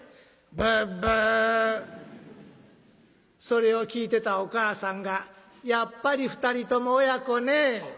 それを聞いてたお母さんが「やっぱり２人とも親子ね」。